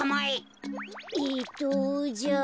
えっとじゃあ。